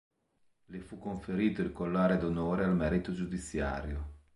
Le fu conferito il Collare d'Onore al merito giudiziario.